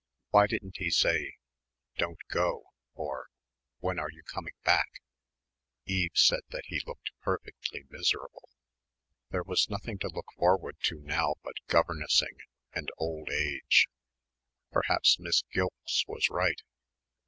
Why didn't he say "Don't go" or "When are you coming back?" Eve said he looked perfectly miserable. There was nothing to look forward to now but governessing and old age. Perhaps Miss Gilkes was right....